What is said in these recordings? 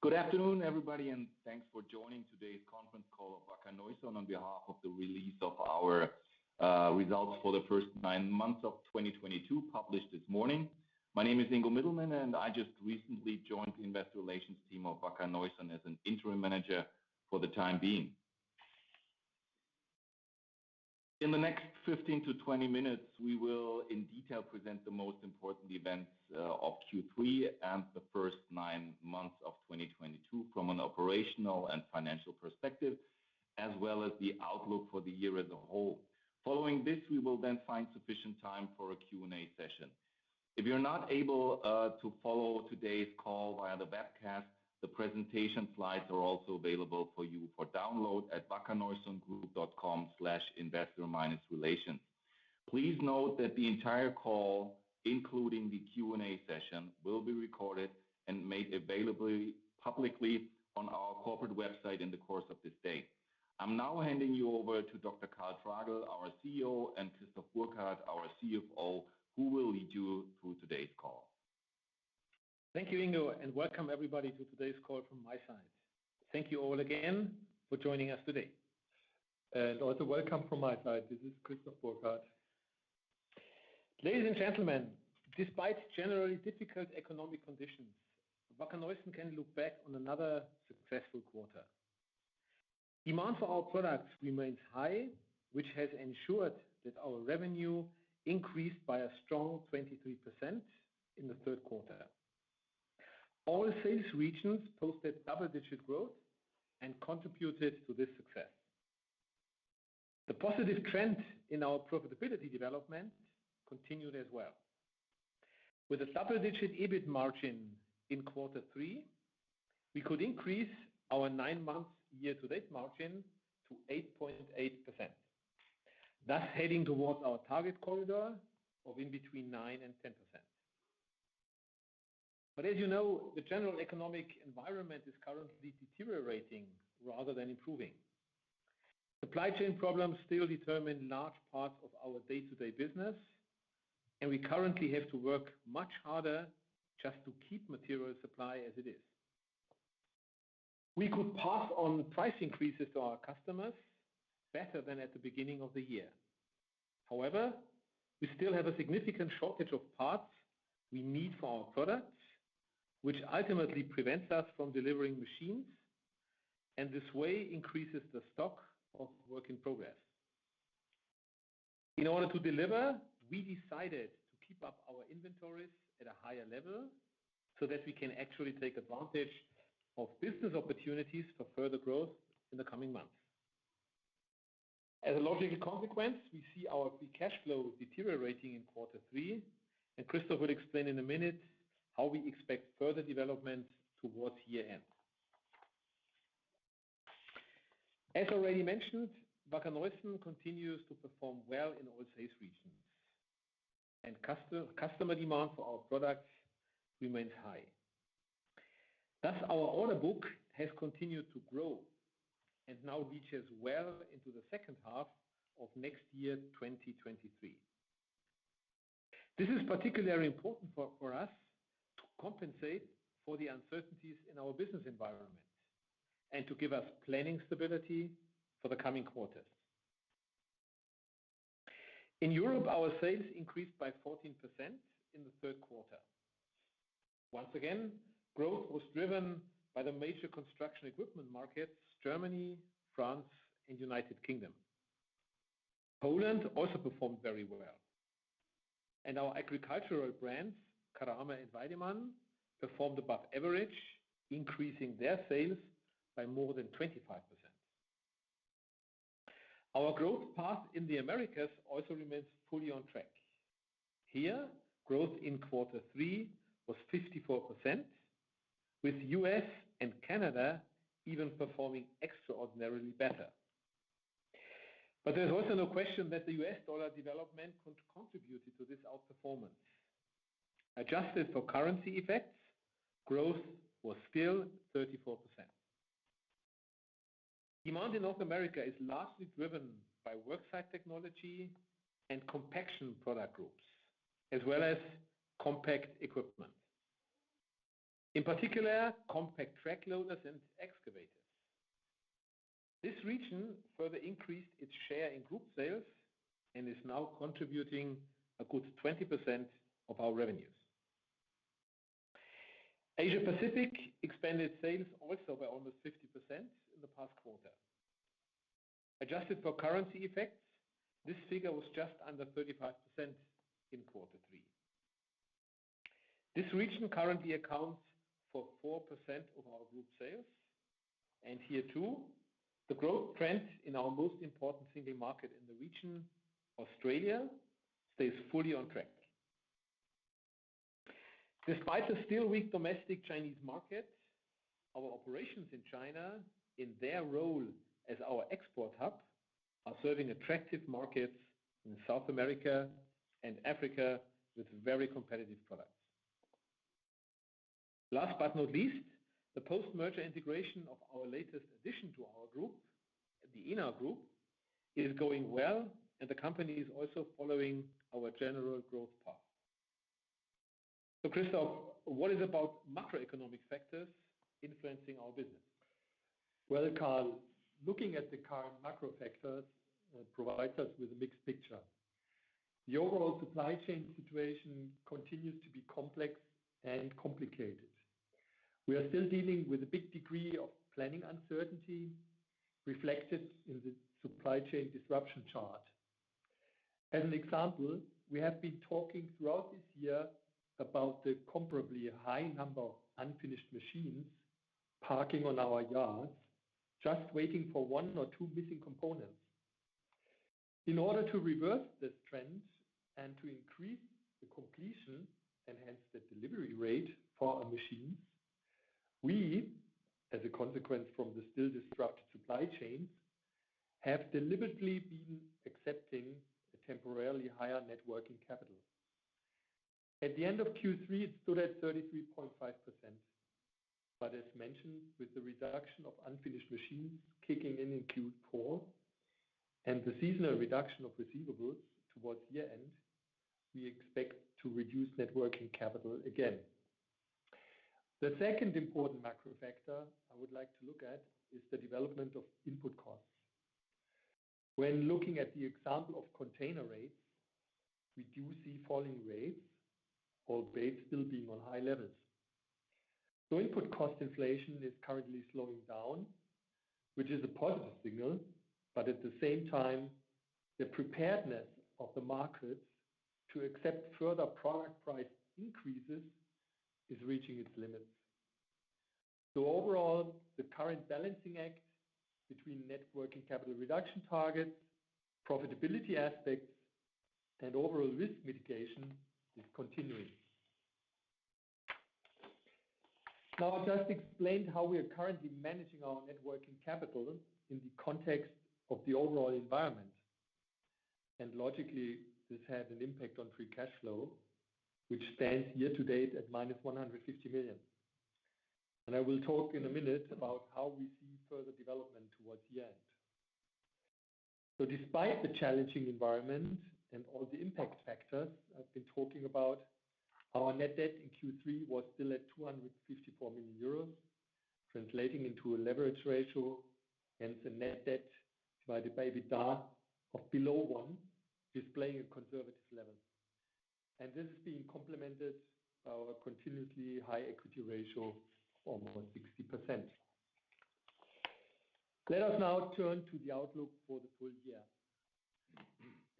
Good afternoon, everybody, and thanks for joining today's conference call of Wacker Neuson on behalf of the release of our results for the first nine months of 2022, published this morning. My name is Ingo Middelmenne, and I just recently joined the investor relations team of Wacker Neuson as an interim manager for the time being. In the next 15 to 20 minutes, we will in detail present the most important events of Q3 and the first nine months of 2022 from an operational and financial perspective, as well as the outlook for the year as a whole. Following this, we will then find sufficient time for a Q&A session. If you're not able to follow today's call via the webcast, the presentation slides are also available for you for download at wackerneusongroup.com/investor-relations. Please note that the entire call, including the Q&A session, will be recorded and made available publicly on our corporate website in the course of this day. I'm now handing you over to Dr. Karl Tragl, our CEO, and Christoph Burkhard, our CFO, who will lead you through today's call. Thank you, Ingo, and welcome everybody to today's call from my side. Thank you all again for joining us today. Also welcome from my side. This is Christoph Burkhard. Ladies and gentlemen, despite generally difficult economic conditions, Wacker Neuson can look back on another successful quarter. Demand for our products remains high, which has ensured that our revenue increased by a strong 23% in the third quarter. All sales regions posted double-digit growth and contributed to this success. The positive trend in our profitability development continued as well. With a double-digit EBIT margin in quarter three, we could increase our nine-month year-to-date margin to 8.8%, thus heading towards our target corridor of between 9% and 10%. As you know, the general economic environment is currently deteriorating rather than improving. Supply chain problems still determine large parts of our day-to-day business, and we currently have to work much harder just to keep material supply as it is. We could pass on price increases to our customers better than at the beginning of the year. However, we still have a significant shortage of parts we need for our products, which ultimately prevents us from delivering machines, and this way increases the stock of work in progress. In order to deliver, we decided to keep up our inventories at a higher level so that we can actually take advantage of business opportunities for further growth in the coming months. As a logical consequence, we see our free cash flow deteriorating in quarter three, and Christoph will explain in a minute how we expect further development towards year-end. As already mentioned, Wacker Neuson continues to perform well in all sales regions, and customer demand for our products remains high. Thus, our order book has continued to grow and now reaches well into the second half of next year, 2023. This is particularly important for us to compensate for the uncertainties in our business environment and to give us planning stability for the coming quarters. In Europe, our sales increased by 14% in the third quarter. Once again, growth was driven by the major construction equipment markets Germany, France and United Kingdom. Poland also performed very well, and our agricultural brands, Kramer and Weidemann, performed above average, increasing their sales by more than 25%. Our growth path in the Americas also remains fully on track. Here, growth in quarter three was 54%, with U.S. and Canada even performing extraordinarily better. There's also no question that the U.S. dollar development contributed to this outperformance. Adjusted for currency effects, growth was still 34%. Demand in North America is largely driven by work site technology and compaction product groups, as well as compact equipment. In particular, compact track loaders and excavators. This region further increased its share in group sales and is now contributing a good 20% of our revenues. Asia Pacific expanded sales also by almost 50% in the past quarter. Adjusted for currency effects, this figure was just under 35% in quarter three. This region currently accounts for 4% of our group sales, and here too, the growth trend in our most important single market in the region, Australia, stays fully on track. Despite the still weak domestic Chinese market, our operations in China, in their role as our export hub, are serving attractive markets in South America and Africa with very competitive products. Last but not least, the post-merger integration of our latest addition to our group, the Enar Group is going well, and the company is also following our general growth path. Christoph, what about macroeconomic factors influencing our business? Well, Karl, looking at the current macro factors provides us with a mixed picture. The overall supply chain situation continues to be complex and complicated. We are still dealing with a big degree of planning uncertainty reflected in the supply chain disruption chart. As an example, we have been talking throughout this year about the comparably high number of unfinished machines parking on our yards, just waiting for one or two missing components. In order to reverse this trend and to increase the completion and hence the delivery rate for our machines, we, as a consequence from the still disrupted supply chains, have deliberately been accepting a temporarily higher net working capital. At the end of Q3, it stood at 33.5%. As mentioned, with the reduction of unfinished machines kicking in in Q4 and the seasonal reduction of receivables towards year-end, we expect to reduce net working capital again. The second important macro factor I would like to look at is the development of input costs. When looking at the example of container rates, we do see falling rates or rates still being on high levels. Input cost inflation is currently slowing down, which is a positive signal, but at the same time, the preparedness of the markets to accept further product price increases is reaching its limits. Overall, the current balancing act between net working capital reduction targets, profitability aspects, and overall risk mitigation is continuing. Now, I just explained how we are currently managing our net working capital in the context of the overall environment. Logically, this had an impact on free cash flow, which stands year to date at -150 million. I will talk in a minute about how we see further development towards the end. Despite the challenging environment and all the impact factors I've been talking about, our net debt in Q3 was still at 254 million euros, translating into a leverage ratio, hence a net debt by the EBITDA of below one, displaying a conservative level. This is being complemented by our continuously high equity ratio of over 60%. Let us now turn to the outlook for the full year.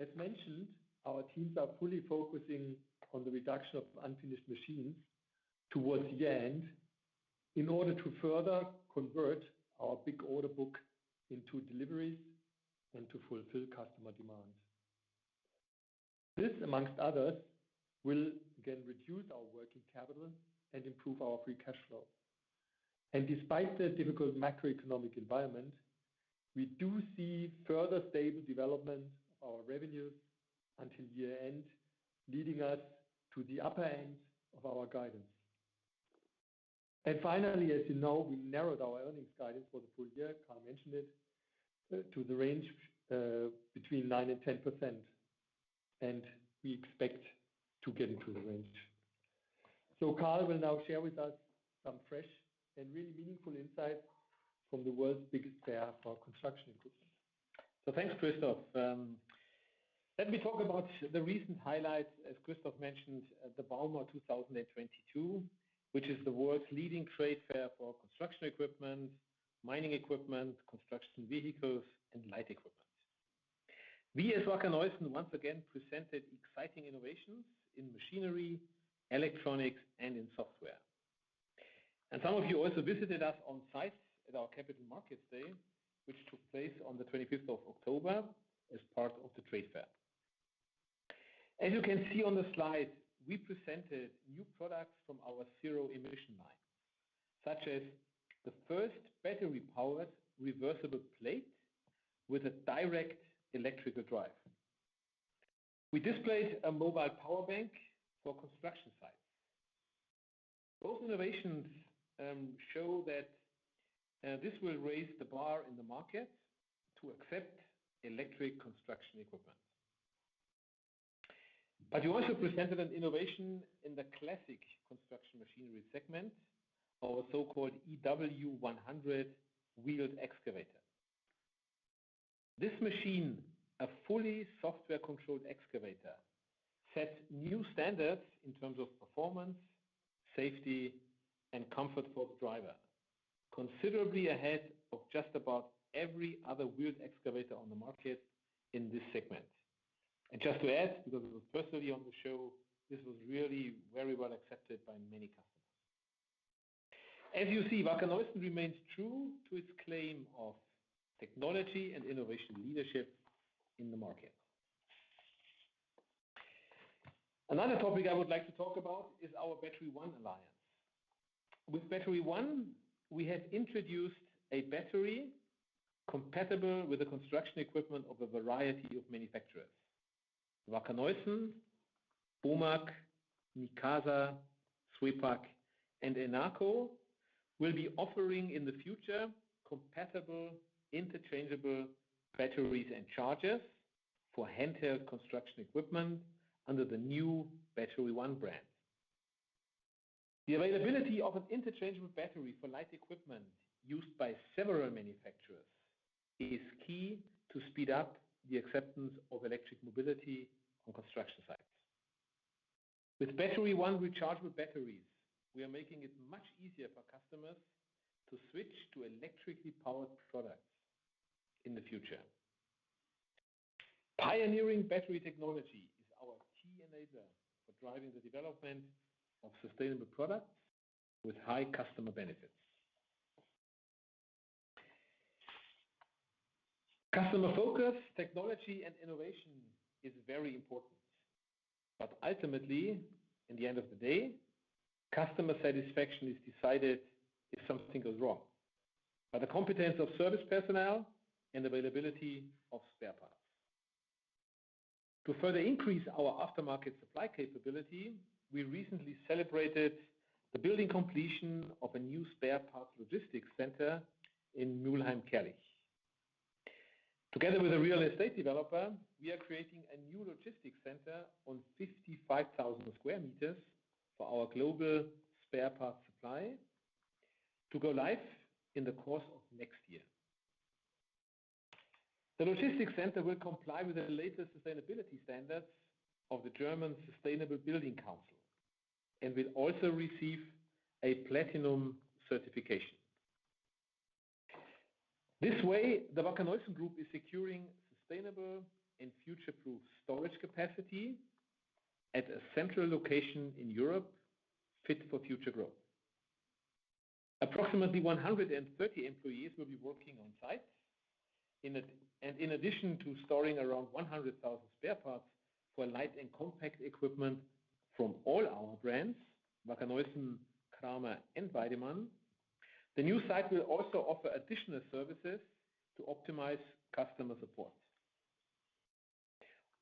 As mentioned, our teams are fully focusing on the reduction of unfinished machines towards the end in order to further convert our big order book into deliveries and to fulfill customer demands. This, among others, will again reduce our working capital and improve our free cash flow. Despite the difficult macroeconomic environment, we do see further stable development of our revenues until year-end, leading us to the upper end of our guidance. Finally, as you know, we narrowed our earnings guidance for the full year, Karl mentioned it, to the range between 9% and 10%, and we expect to get into the range. Karl will now share with us some fresh and really meaningful insight from the world's biggest player for construction equipment. Thanks, Christoph. Let me talk about the recent highlights, as Christoph mentioned at the bauma 2022, which is the world's leading trade fair for construction equipment, mining equipment, construction vehicles and light equipment. We as Wacker Neuson once again presented exciting innovations in machinery, electronics and in software. Some of you also visited us on site at our Capital Markets Day, which took place on the 25th of October as part of the trade fair. As you can see on the slide, we presented new products from our zero emission line, such as the first battery-powered reversible plate with a direct electrical drive. We displayed a mobile power bank for construction sites. Both innovations show that this will raise the bar in the market to accept electric construction equipment. We also presented an innovation in the classic construction machinery segment, our so-called EW100 wheeled excavator. This machine, a fully software-controlled excavator, sets new standards in terms of performance, safety and comfort for the driver, considerably ahead of just about every other wheeled excavator on the market in this segment. Just to add, because I was personally on the show, this was really very well accepted by many customers. As you see, Wacker Neuson remains true to its claim of technology and innovation leadership in the market. Another topic I would like to talk about is our BatteryOne alliance. With BatteryOne, we have introduced a battery compatible with the construction equipment of a variety of manufacturers. Wacker Neuson, Bomag, Mikasa, Swepac, and Enarco will be offering in the future compatible interchangeable batteries and chargers for handheld construction equipment under the new BatteryOne brand. The availability of an interchangeable battery for light equipment used by several manufacturers is key to speed up the acceptance of electric mobility on construction sites. With BatteryOne rechargeable batteries, we are making it much easier for customers to switch to electrically powered products in the future. Pioneering battery technology is our key enabler for driving the development of sustainable products with high customer benefits. Customer focus, technology, and innovation is very important. Ultimately, in the end of the day, customer satisfaction is decided if something goes wrong by the competence of service personnel and availability of spare parts. To further increase our aftermarket supply capability, we recently celebrated the building completion of a new spare parts logistics center in Mülheim-Kärlich. Together with a real estate developer, we are creating a new logistics center on 55,000 square meters for our global spare parts supply to go live in the course of next year. The logistics center will comply with the latest sustainability standards of the German Sustainable Building Council and will also receive a platinum certification. This way, the Wacker Neuson Group is securing sustainable and future-proof storage capacity at a central location in Europe fit for future growth. Approximately 130 employees will be working on site. In addition to storing around 100,000 spare parts for light and compact equipment from all our brands, Wacker Neuson, Kramer, and Weidemann, the new site will also offer additional services to optimize customer support.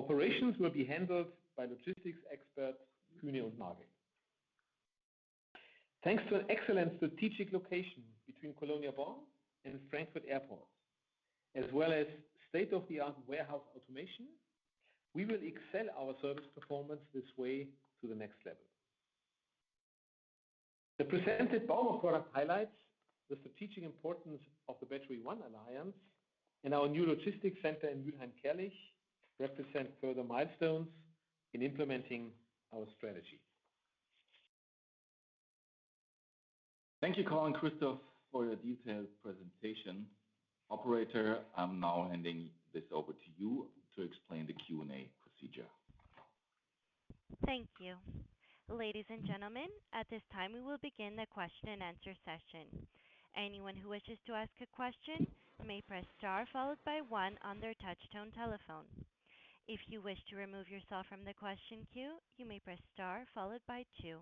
Operations will be handled by logistics expert Kühne + Nagel. Thanks to an excellent strategic location between Cologne Bonn and Frankfurt Airport, as well as state-of-the-art warehouse automation, we will excel our service performance this way to the next level. The presented bauma product highlights the strategic importance of the BatteryOne alliance and our new logistics center in Mülheim-Kärlich represent further milestones in implementing our strategy. Thank you, Karl and Christoph, for your detailed presentation. Operator, I'm now handing this over to you to explain the Q&A procedure. Thank you. Ladies and gentlemen, at this time, we will begin the question and answer session. Anyone who wishes to ask a question may press star followed by one on their touchtone telephone. If you wish to remove yourself from the question queue, you may press star followed by two.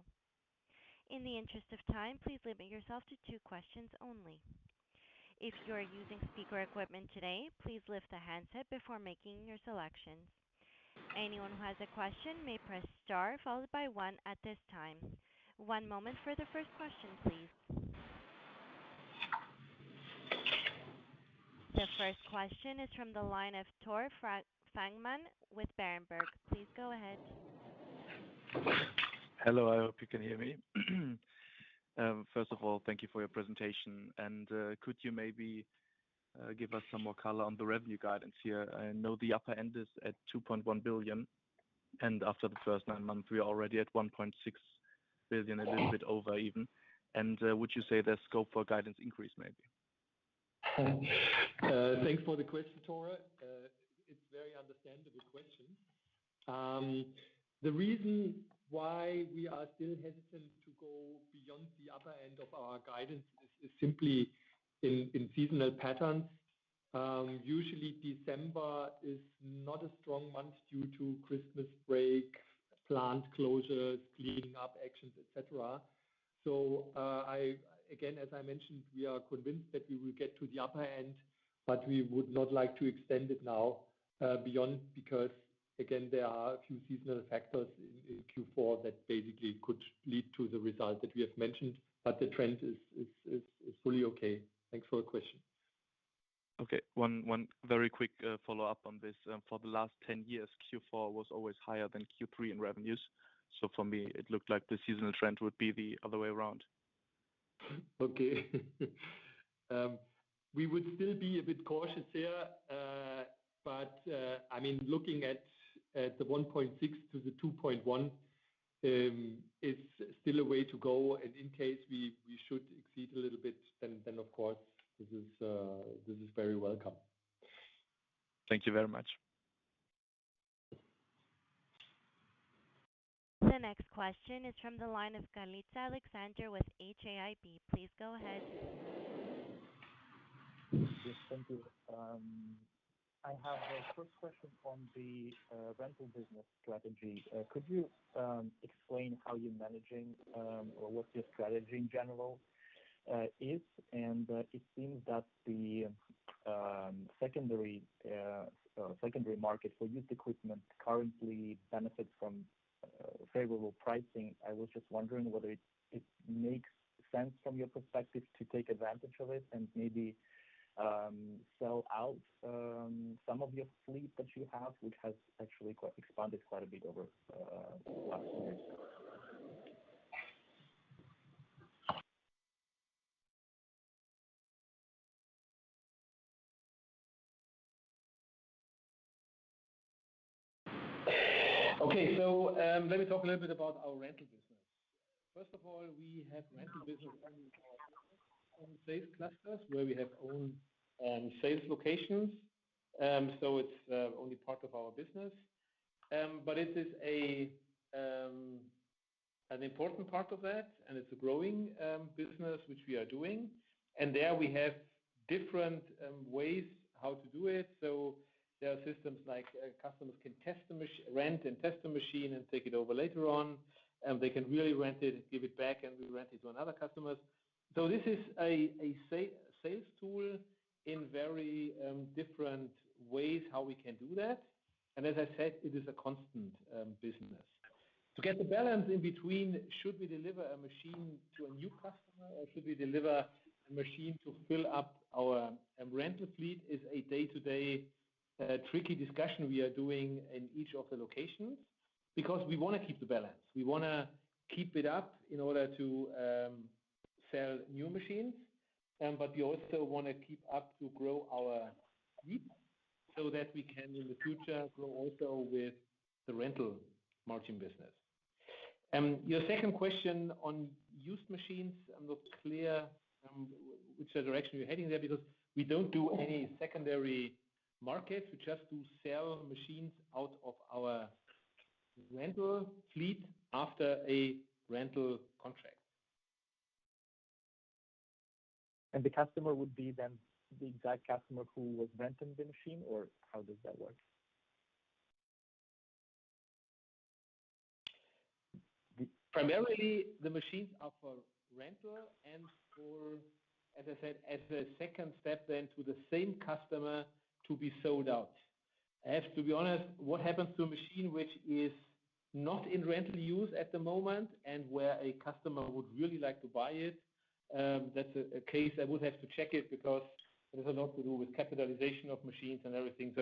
In the interest of time, please limit yourself to two questions only. If you are using speaker equipment today, please lift the handset before making your selection. Anyone who has a question may press star followed by one at this time. One moment for the first question, please. The first question is from the line of Tore Fangmann with Berenberg. Please go ahead. Hello, I hope you can hear me. First of all, thank you for your presentation. Could you maybe give us some more color on the revenue guidance here? I know the upper end is at 2.1 billion, and after the first nine months, we are already at 1.6 billion, a little bit over even. Would you say there's scope for guidance increase maybe? Thanks for the question, Tore. It's very understandable question. The reason why we are still hesitant to go beyond the upper end of our guidance is simply in seasonal patterns. Usually December is not a strong month due to Christmas break, plant closures, cleaning up actions, et cetera. Again, as I mentioned, we are convinced that we will get to the upper end, but we would not like to extend it now beyond because, again, there are a few seasonal factors in Q4 that basically could lead to the result that we have mentioned. The trend is fully okay. Thanks for the question. Okay. One very quick follow-up on this. For the last 10 years, Q4 was always higher than Q3 in revenues. For me, it looked like the seasonal trend would be the other way around. Okay. We would still be a bit cautious here. I mean, looking at the 1.6%-2.1% is still a way to go. In case we should exceed a little bit then, of course this is very welcome. Thank you very much. The next question is from the line of Charlotte Alexander with HAIB. Please go ahead. Yes, thank you. I have a quick question on the rental business strategy. Could you explain how you're managing or what your strategy in general is? It seems that the secondary market for used equipment currently benefits from favorable pricing. I was just wondering whether it makes sense from your perspective to take advantage of it and maybe sell out some of your fleet that you have, which has actually quite expanded quite a bit over the last years. Okay. Let me talk a little bit about our rental business. First of all, we have rental business only in our own sales clusters where we have own sales locations. It's only part of our business. It is an important part of that, and it's a growing business which we are doing. There we have different ways how to do it. There are systems like, customers can test the machine and take it over later on, and they can really rent it and give it back, and we rent it to another customers. This is a sales tool in very different ways how we can do that. As I said, it is a constant business. To get the balance in between, should we deliver a machine to a new customer or should we deliver a machine to fill up our rental fleet is a day-to-day tricky discussion we are doing in each of the locations because we wanna keep the balance. We wanna keep it up in order to sell new machines, but we also wanna keep up to grow our fleet so that we can, in the future, grow also with the rental margin business. Your second question on used machines, I'm not clear which direction you're heading there because we don't do any secondary market. We just do sell machines out of our rental fleet after a rental contract. The customer would be then the exact customer who was renting the machine, or how does that work? Primarily the machines are for rental and for, as I said, as a second step then to the same customer to be sold out. I have to be honest, what happens to a machine which is not in rental use at the moment and where a customer would really like to buy it, that's a case I would have to check it because it has a lot to do with capitalization of machines and everything.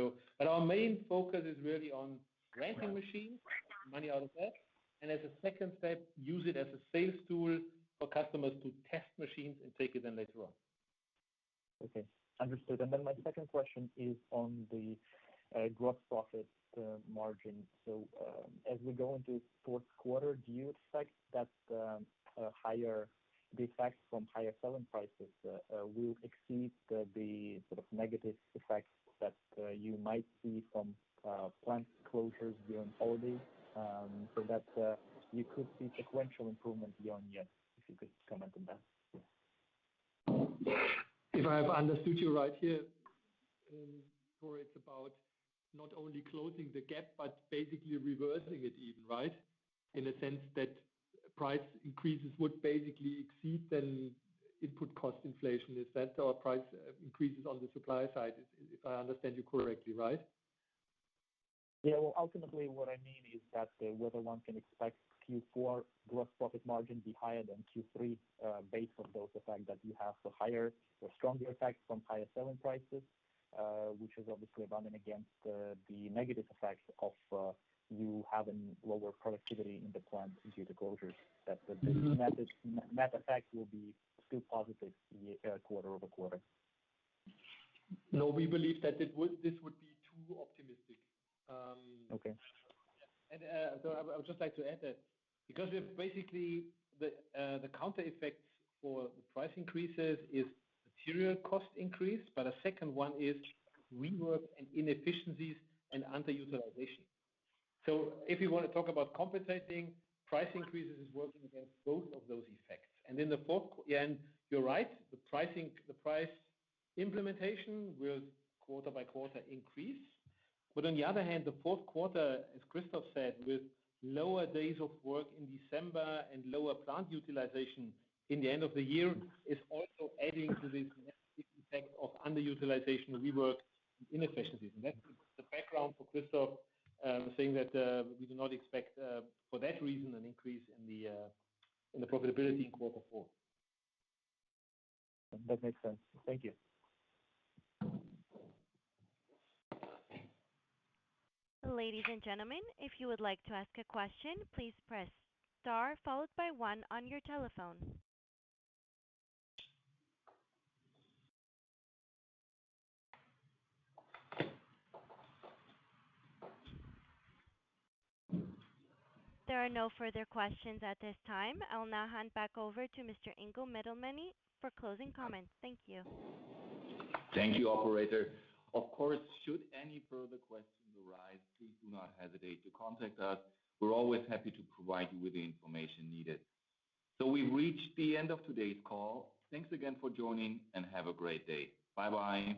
Our main focus is really on renting machines, make money out of that, and as a second step, use it as a sales tool for customers to test machines and take it then later on. Okay. Understood. Then my second question is on the gross profit margin. As we go into fourth quarter, do you expect that higher the effects from higher selling prices will exceed the the sort of negative effects that you might see from plant closures during holidays, so that you could see sequential improvement beyond that? If you could comment on that. If I have understood you right here, it's about not only closing the gap but basically reversing it even, right? In a sense that price increases would basically exceed than input cost inflation. Is that? Or price increases on the supply side, if I understand you correctly, right? Well, ultimately what I mean is whether one can expect Q4 gross profit margin be higher than Q3, based on those effects that you have the higher or stronger effects from higher selling prices, which is obviously outweighs the negative effects of you having lower productivity in the plant due to closures. Mm-hmm. Net effect will be still positive quarter-over-quarter. No, we believe that this would be too optimistic. Okay. I would just like to add that because we have basically the counter effect for price increases is material cost increase, but a second one is rework and inefficiencies and underutilization. If you want to talk about compensating, price increases is working against both of those effects. You're right, the price implementation will quarter by quarter increase. On the other hand, the fourth quarter, as Christoph said, with lower days of work in December and lower plant utilization in the end of the year, is also adding to this effect of underutilization, rework, and inefficiencies. That's the background for Christoph saying that we do not expect, for that reason, an increase in the profitability in quarter four. That makes sense. Thank you. Ladies and gentlemen, if you would like to ask a question, please press star followed by one on your telephone. There are no further questions at this time. I'll now hand back over to Mr. Ingo Middelmenne for closing comments. Thank you. Thank you, operator. Of course, should any further questions arise, please do not hesitate to contact us. We're always happy to provide you with the information needed. We've reached the end of today's call. Thanks again for joining, and have a great day. Bye-bye.